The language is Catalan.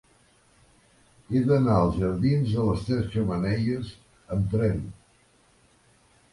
He d'anar als jardins de les Tres Xemeneies amb tren.